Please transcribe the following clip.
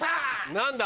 ・何だ？